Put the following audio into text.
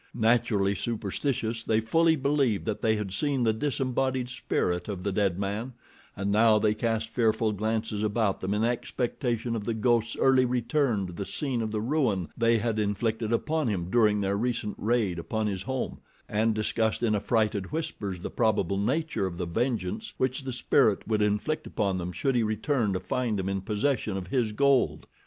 Naturally superstitious, they fully believed that they had seen the disembodied spirit of the dead man, and now they cast fearful glances about them in expectation of the ghost's early return to the scene of the ruin they had inflicted upon him during their recent raid upon his home, and discussed in affrighted whispers the probable nature of the vengeance which the spirit would inflict upon them should he return to find them in possession of his gold.